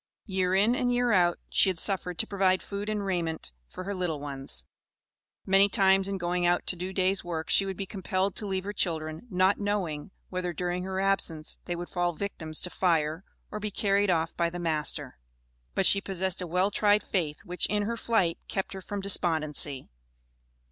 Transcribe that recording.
Year in and year out she had suffered to provide food and raiment for her little ones. Many times in going out to do days' work she would be compelled to leave her children, not knowing whether during her absence they would fall victims to fire, or be carried off by the master. But she possessed a well tried faith, which in her flight kept her from despondency.